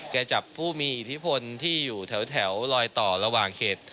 จับผู้มีอิทธิพลที่อยู่แถวลอยต่อระหว่างเขต